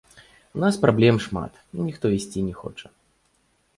У нас праблем шмат, і ніхто ісці не хоча.